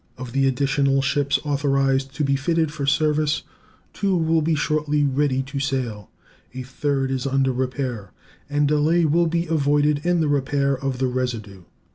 Of the additional ships authorized to be fitted for service, two will be shortly ready to sail, a third is under repair, and delay will be avoided in the repair of the residue.